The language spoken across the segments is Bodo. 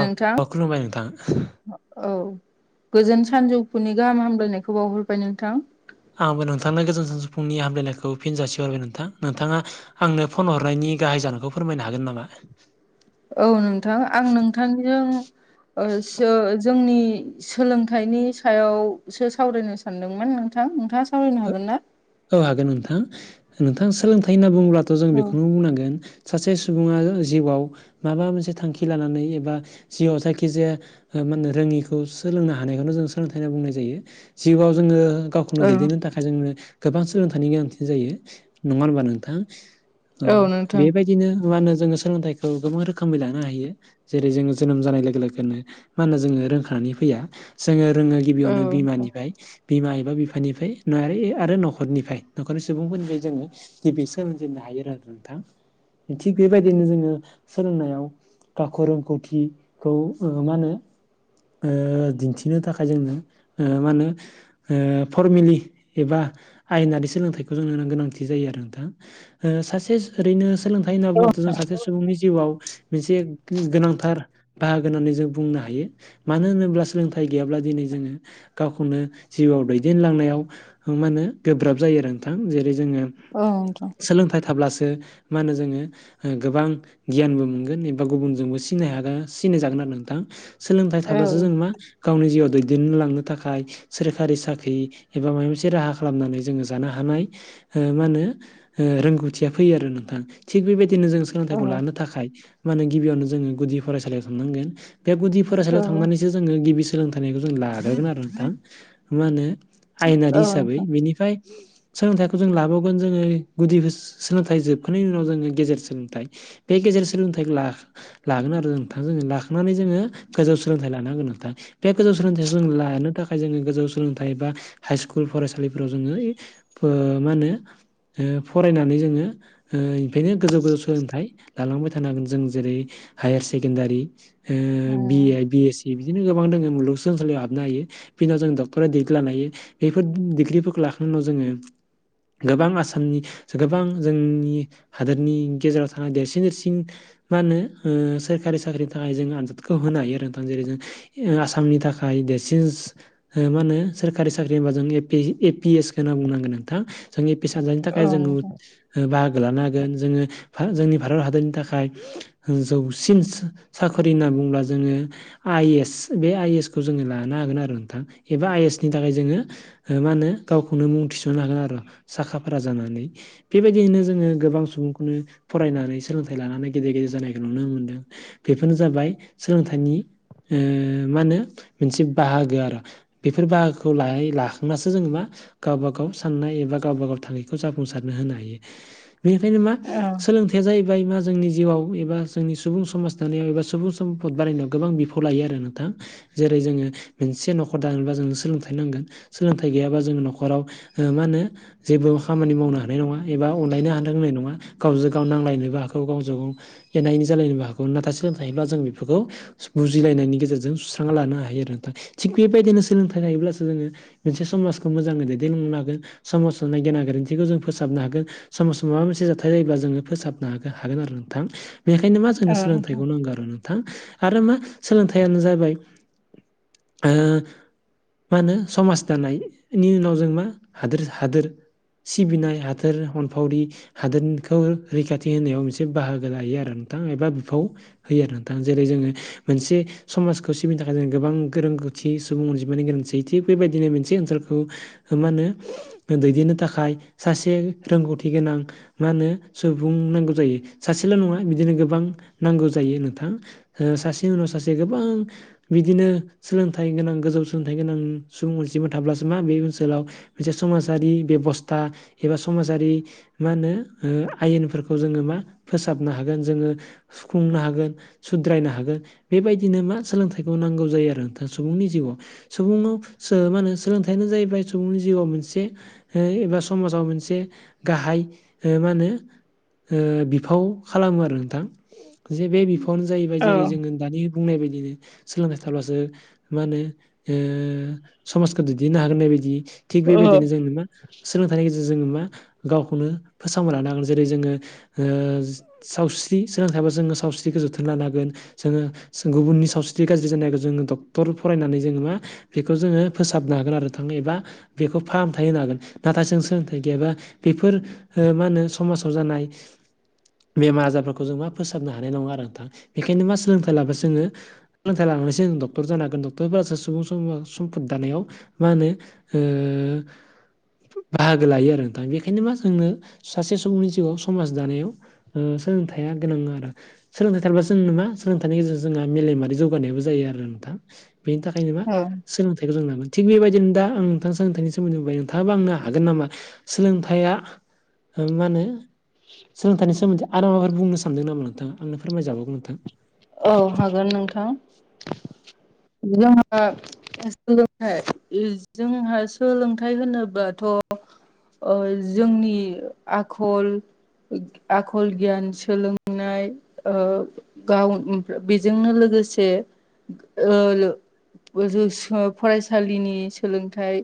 अ अ खुलुमबाय नोंथां। अ औ गोजोन सानजौफुनि गाहाम हामलायनायखौ बावहरबाय नोंथां। आंबो नोंथांनो गोजोन सानजौफुनि हामलायनायखौ फिन जासिहरबाय नोंथां। नोंथाङा आंनो फन हरनायनि गाहाय जाहोनखौ फोरमायनो हागोन नामा? औ नोंथां आं नोंथांजों ओ सो जोंनि सोलोंथाइनि सायाव सो सावरायनो सानदोंमोन नोंथां। नोंथाङा सावरायनो हागोन ना? औ हागोन नोंथां नोंथां सोलोंथाइ होनना बुंङोबथ' जों औ बेखौनो बुंनांगोन सासे सुबुङा जिउआव माबा मोनसे थांखि लानानै एबा जिउआव जायखिजाया ओ माहोनो रोङिखौ सोलोंनो हानायखौनो जों सोलोंथाइ होनना बुंनाय जायो। जिउआव जोङो गाव खौनो औ दैदेननो थाखाय जोंनो गोबां सोलोंथाइनि गोनांथि जायो। नङा होनबा नोंथां औ बेबायदिनो मा होनो जोङो सोलोंथाइखौ गोबां रोखोमै लानो हायो। जेरै जोङो जोनोम जानाय लोगो लोगोनो मा होनो जोङो रोंखानानै फैया। जोङो रोङो औ गिबियावनो नोंथां बिमानिफ्राय बिमा एबा बिफानिफ्राय नारि आरो न'खरनिफ्राय न'खरनि सुबुंफोरनिफ्राय जोङो गिबि सोलोंजेननो हायो आरो नोंथां। थिग बेबायदिनो जोङो सोलोंनायाव गावखौ रोंगौथिखौ ओ मा होनो ओ दिन्थिनो थाखाय जोंनो ओ मा होनो ओ फरमेलि एबा आयेनारि सोलोंथाइखौ जोंनोनो गोनांथि जायो आरो नोंथां। ओ सासे ओरैनो सोलोंथाइ होनाब्लाथ' जों सासे सुबुंनि जिउआव मोनसे गो-गोनांथार बाहागो होननानै जों बुंनो हायो। मानो होनोब्ला सोलोंथाइ गैयाब्ला दिनै जोङो गावखौनो जिउआव दैदेनलांनायाव मा होनो गोब्राब जायो आरो नोंथां जेरै जोङो औ नोंथां सोलोंथाइ थाब्लासो मा होनो जोङो गोबां गियानबो मोनगोन एबा गुबुनजोंबो सिनाय हागोन सिनाय जागोन आरो नोंथां सोलोंथाइ औ थाब्लासो जों मा गावनि जिउआव दैदेनलांनो थाखाय सोरखारि साख्रि एबा माबा मोनसे एसे राहा खालामनानै जोङो जानो हानाय ओ मा होनो ओ रोंगौथिया फैयो आरो नोंथां थिग बेबायदिनो जों औ सोलोंथाइखौ लानो थाखाय मा होने गिबियावनो जोङो गुदि फरायसालियाव थांनांगोन बे गुदि औ फरायसालियाव थांनानैसो जोङो गिबि सोलोंथाइखौ जों लानांगोन आरो नोंथां मा होनो औ आयेनारि हिसाबै नोंथां बिनिफ्राय सोलोंथाइखौ जों लाबावगोन जोङो गुदि सोलोंथाइ जोबखांनायनि उनाव जोङो गेजेर सोलोंथाइ बे गेजेर सोलोंथाइखौ ला लागोन आरो नोंथां जोङो लाखांनानै जोङो गोजौ सोलोंथाइ लानांगोन नोंथां बे गोजौ सोलोंथाइ जों लानो थाखाय जोङो गोजौ सोलोंथाइ बा हाइ सकुल स्कुल फरायसालिफोराव जोङो मा होनो फरायनानै जोङो ओ बेनिफ्रायनो गोजौ गोजौ सोलोंथाइ लालांबाय थानो हागोन जों जेरै- हायार सेकेण्डारि ओ बि ए, बि एस सि बिबदिनो गोबां दङ मुलुगसोलोंसालि हाबनो हायो, बिनि उनाव जों डक्टरेट दिग्रि लानो हायो। बेफोर डिग्रिफोरखौ लाखांनायनि उनाव जोङो गोबां आसामनि गोबां जोंनि हादोरनि गेजेराव थानाय देरसिन देरसिन मा होनो ओ सोरखारि साख्रिनि थाखाय जों आनजादखौ होनो हायो आरो नोंथां। जेरै जों ओ आसामनि थाखाय देरसिन ओ मा होनो सोरखारि सा साख्रि होनबा जों ए पि एस खौ होनना बुंनांगोन नोंथां जों ए पि एस आन्जादनि थाखाय औ जोङो नोंथां बाहागो लानो हागोन जोङो जोंनि भारत हादरनि थाखाय जौसिन साख्रि होनना बुंङोब्ला जोङो आइ एस बे आइ एस खौ जोङो लानो हागोन आरो नोंथां एबा आइ एस नि थाखाय जोङो मा होनो गावखौनो मुं थिसननो हागोन आरो साखा फारा जानानै। बेबायदियैनो जोङो गोबां सुबुंखौनो फरायनानै सोलोंथाइ लानानै गेदेर गेदेर जानायखौ नुनो मोनदों बेफोरनो जाबाय सोलोंथाइनि ओ मा होनो मोनसे बाहागो आरो। बेफोर बाहागो खौ [unintelligible] लाखांनासो जोङो मा गावबा गाव साननाय एबा गावबा गाव थांखिखौ जाफुंसारनो होनो हायो बेनिखायनो मा औ सोलोंथाइ खोथाया जाहैबाय मा जोंनि जिउआव एबा जोंनि सुबुं समाज दानायाव एबा सुबुं सम्पद बानायनायाव गोबां बिफां खौ लायो आरो नोंथा। जेरै जोङो मोनसे न'खर दानोब्ला जों सोलोंथाइ नांगोन सोलोंथाइ गैयाबा जोंङो नखराव मा होनो जेबो खामानि मावनो हानाय नङा एबा अनलायनो हानो रोंनाय नङा गावजों गाव नांलायनोबो हागौ गावजों गाव एना एनि जालायनोबो हागौ नाथाय सोलोंथाइ थायोब्ला जों बेफोरखौ बुजिलायनायनि गेजेरजों सुस्रांना लानो हायो आरो नोंथां थिग बेबायदिनो सोलोंथाइ लायोब्लासो जोङो मोनसे समाजखौ मोजाङै दैदेनलांनो हागोन। समाजाव [unintelligible] गोरोन्थिखौ जों फोसाबनो हागोन समाजाव माबा मोनसे जाथाय जायोब्ला जोङो फोसाबनो हागो हागोन आरो नोंथां बेखायनो मा जोंनो सोलोंथाइखौ नांगौ आरो नों -थां आरो मा सोलोंथाइयानो जाबाय ओ मा होनो समाज दानायनि उनाव जों मा हादोर हादोर सिबिनाय हादोर अनफावरि हादोरखौ रैखाथि होनायाव मोनसे बाहागो लायो आरो नोंथां एबा बिफाव होयो [unintelligible] नोंथां जेरै जोङो मोनसे समाजखौ सिबिनो थाखाय जों गोबां गोरोंगौथि सुबुं अनजिमानि गोनांथि [unintelligible] बेबायदिनो मोनसे ओनसोलखौ मा होनो दैदेननो थाखाय सासे रोंगौथि गोनां मा होनो सुबुं नांगौ जायो। सासेल' नङा बिदिनो गोबां नांगौ जायो नोंथां ओ सासेनि उनाव सासे गोबां बिदिनो सोलोंथाइ गोनां गोजौ सोलोंथाइ गोनां सुबुं अनजिमा थाब्लासो मा बे ओनसोलाव मोनसे समाजारि बेब'स्था एबा समाजारि मा होनो आयेनफोरखौ जोङो मा फोसाबनो हागोन जोङो सुफुंनो हागोन सुद्रायनो हागोन बेबायदिनो मा सोलोंथाइखौ नांगौ जायो आरो नोंथाङा सुबुंनि जिउआव सुबुंङाव मा होनो सोलोंथाइयानो जाहैबाय सुबुंनि जिउआव मोनसे एबा समाजाव मोनसे गाहाय ओ मा होनो ओ बिफाव खालामो आरो नोंथां। जे बे बि फन जाहैबाय औ जेरै जोङो दानि बुंनाय बायदिनो सोलोंथाइ थाबाबसो मा होनो ओ समाजखौ दैदेननो हागोननाय बायदि थिग औ बेबायदिनो जों नोमा सोलोंथाइनि गेजेरजों जोङो मा गावखौनो फोसावना लानो हागोन जेरै जोङो ओ सावस्रि सोलों थाबा जोङो सावस्रिखौ जोथोन लानो हागोन जोङो गुबुननि सावस्रि गाज्रि जानायखौ जोङो डक्टर फरायनानै जोङो मा बेखौ जोङो फोसाबनो हागोन आरो थाङ एबा बेखौ फाहामथाय होनो हागोन। नाथाय जों सोलोंथाइ गैयाबा बेफोर ओ मा होनो समाजाव जानाय बेमार आजारफोरखौ जों मा फोसाबनो हानाय नङा आरो नोंथां बेखायनो मा सोलोंथाइ लाब्ला जोङो लोंथाइ लानानैसो डक्टर जानो हागोन, डक्टरफ्रासो सु सुबुं सम सम्फद दानायाव मा होनो बाहागो लायो आरो दा बेखायनो मा जोंनो सासे सुबुंनि जिउआव समाज दानायाव ओ सोंलोंथाया गोनङो आरो सोलोंथाइ थायोब्लासो जोंनो मा सोलोंथाइनि गेजेरजों जोंना मेलेमारि जौगानायाबो जायो आरो नोंथां। बेनि थाखाय बेखायनोमा औ सोलोंथाइखौ जोंलानांगौ थिग बेबायदिनो दा आं नोंथांा सोलोंथाइनि सोमोन्दै बुंबाय नोंथाङाबो आंनो हागोन नामा सोलोंथाइया मा होनो सोलोंथाइ सोमोन्दै आरो माफोर बुंनो सानदों नामा नोंथां आंनो फोरमायजाबावगोन नोंथां औ हागोन नोंथां जोंहा सोलोंथाइ जोंहा सोलोंथाइ होनोब्लाथ' जोंनि आखल आखल गियान सोलोंनाय गाव मफ्राय बेजोंनो लोगोसे [inaudible] फरायसालिनि सोलोंथाइ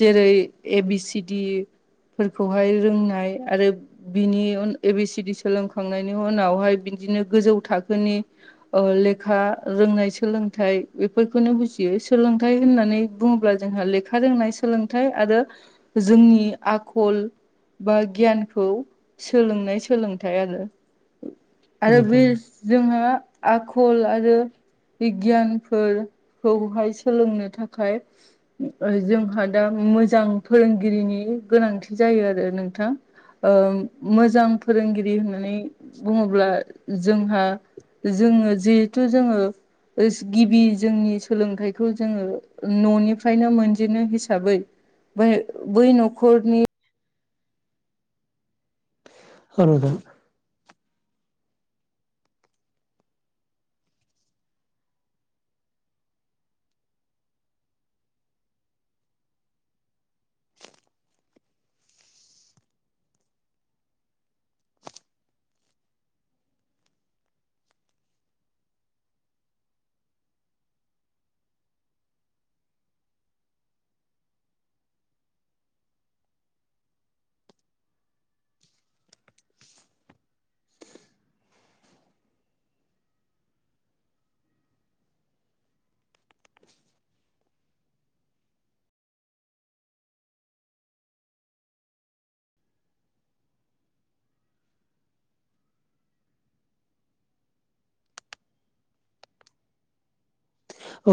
जेरै ए बि सिडि फोरफोरखौहाय रोंनाय आरो बिनि उन ए बि सिड सोलोंखांनायनि उनावहाय बिदिनो गोजौ थाखोनि लेखा रोंनाय सोलोंथाइ बेफोरखौनो बुजियो सोलोंथाइ होननानै बुङोब्ला जोंहा लेखा रोंनाय सोलोंथाइ आरो जोंनि आखल बा गियानखौ सोलोंनाय सोलोंथाइ आरो आरो बे [inaudible] जोंहा आखल आरो बिगियानफोरखौहाय सोलोंनो थाखाय जोंहा दा मोजां फोरोंगिरिनि गोनांथि जायो आरो नोंथां मोजां फोरोंगिरि होननानै बुङोब्ला जोंहा जोङो जिहेथु जोङो गिबि जोंनि सोलोंथाइखौ जोङो न'निफ्रायनो मोनजेनो हिसाबै बै बै न'खरनि आद [inaudible]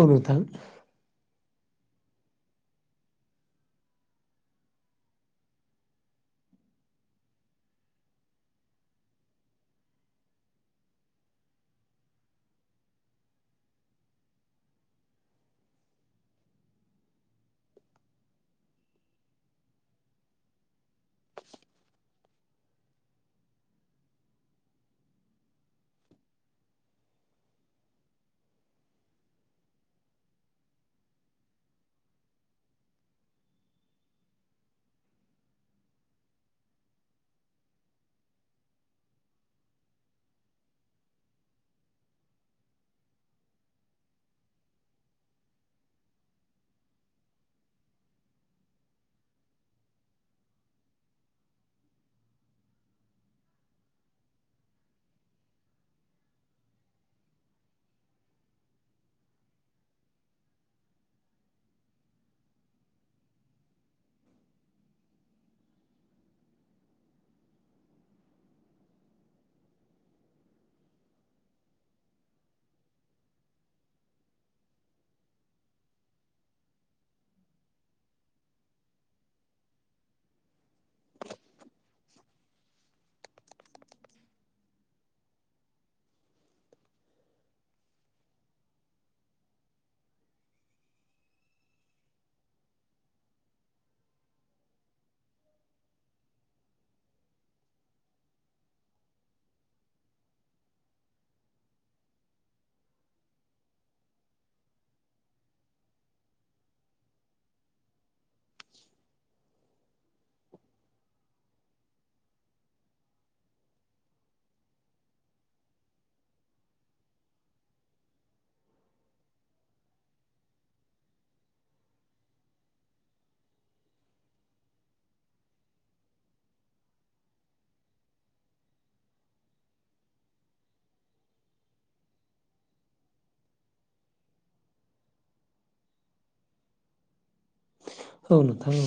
औ नोंथां [inaudible] औ नोंथां